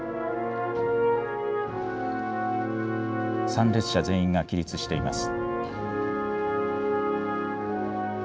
参列者全員が起立しています。